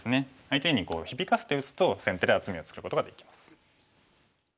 相手に響かせて打つと先手で厚みを作ることができます。